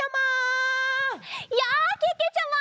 やあけけちゃま！